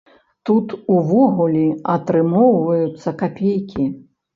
Тут увогуле атрымоўваюцца капейкі.